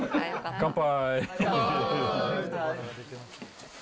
乾杯！